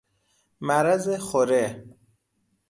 مرض خوره